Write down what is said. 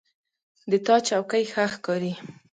د تا چوکۍ ښه ښکاري